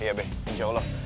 iya be insya allah